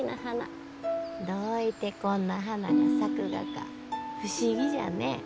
どういてこんな花が咲くがか不思議じゃね。